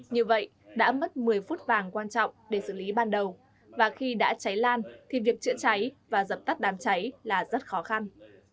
như vậy đã mất một mươi phút vàng quan trọng để xử lý ban đầu và khi đã cháy lan thì việc chữa cháy và dập tắt đám cháy là rất khó khăn